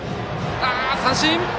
三振！